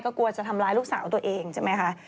กลัวจะทำร้ายลูกสาวตัวเองใช่ไหมคะ